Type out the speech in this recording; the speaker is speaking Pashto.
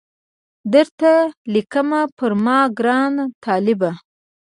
درته لیکمه پر ما ګران طالبه